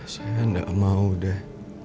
saya gak mau deh